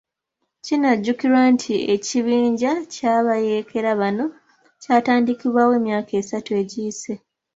Kinajjukirwa nti ekibinja ky'abayeekera bano kyatandikibwawo emyaka asatu egiyise .